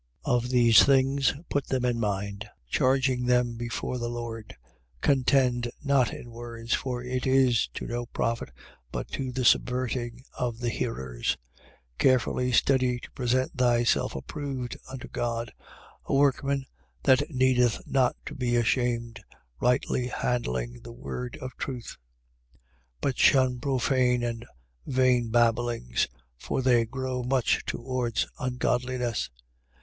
2:14. Of these things put them in mind, charging them before the Lord. Contend not in words: for it is to no profit, but to the subverting of the hearers. 2:15. Carefully study to present thyself approved unto God, a workman that needeth not to be ashamed, rightly handling the word of truth. 2:16. But shun profane and vain babblings: for they grow much towards ungodliness.